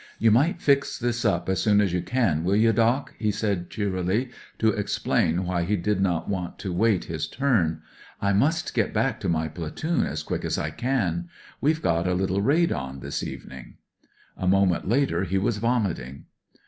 'You might fix this up as soon as you can, will you. Doc' he said cheerily, to explain why he did not want to wait 208 WHAT EVERY M.O. KNOWS his turn. * I must get back to my platoon as quick as I can. We've got a little raid on this evening.' A moment later he was vomiting.